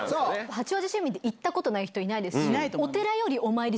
八王子市民で行ったことない人いないですし。